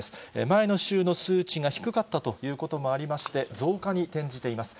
前の週の数値が低かったということもありまして、増加に転じています。